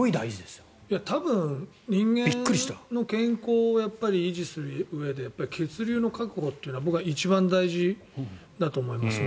多分人間の健康を維持するうえで血流の確保というのは僕は一番大事だと思いますね。